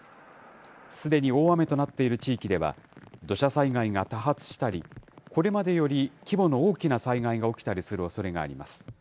すでに大雨となっている地域では、土砂災害が多発したり、これまでより規模の大きな災害が起きたりするおそれがあります。